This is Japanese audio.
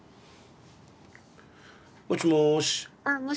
もしもし。